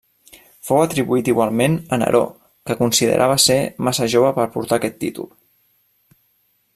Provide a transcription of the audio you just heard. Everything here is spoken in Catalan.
Fou atribuït igualment a Neró que considerava ser massa jove per portar aquest títol.